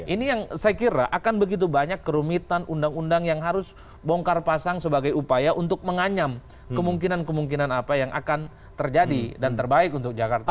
ini yang saya kira akan begitu banyak kerumitan undang undang yang harus bongkar pasang sebagai upaya untuk menganyam kemungkinan kemungkinan apa yang akan terjadi dan terbaik untuk jakarta